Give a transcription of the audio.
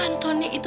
anthony itu tahu